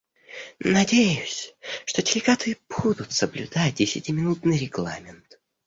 Надеюсь, что делегаты будут соблюдать десятиминутный регламент.